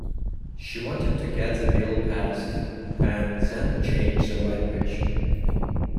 She wanted to get the bill passed and then change the language.